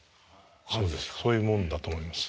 そういうもんだと思います。